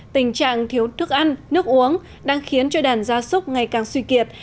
tình trạng thiếu thức ăn nước uống đang khiến cho đàn gia súc ngày càng suy kiệt